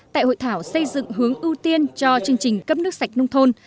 tại hội thảo xây dựng hướng ưu tiên cho chương trình cấp nước sạch nông thôn